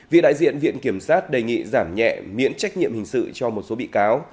vị đại diện viện kiểm sát đề nghị giảm nhẹ miễn trách nhiệm hình sự cho một số bị cáo